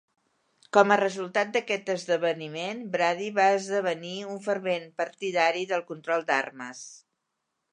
Com a resultat d'aquest esdeveniment, Brady va esdevenir un fervent partidari del control d'armes.